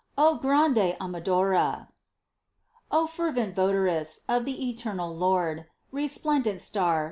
¡ O grande amadora ! O FERVENT votaress Of the eternal Lord ! Resplendent star